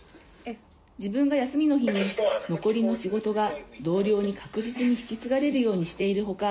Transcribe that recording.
自分が休みの日に残りの仕事が同僚に確実に引き継がれるようにしているほか